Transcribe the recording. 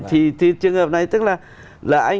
thì trường hợp này tức là